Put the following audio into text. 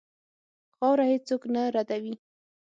خاوره هېڅ څوک نه ردوي.